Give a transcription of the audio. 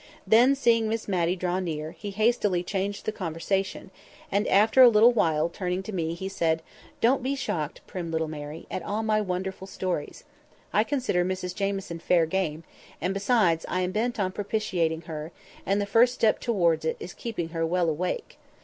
Then, seeing Miss Matty draw near, he hastily changed the conversation, and after a little while, turning to me, he said, "Don't be shocked, prim little Mary, at all my wonderful stories. I consider Mrs Jamieson fair game, and besides I am bent on propitiating her, and the first step towards it is keeping her well awake.